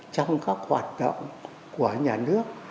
trong các hoạt động của nhà nước